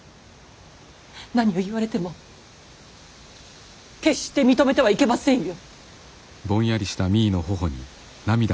何を言われても決して認めてはいけませんよ。